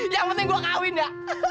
yang penting gue kawin ya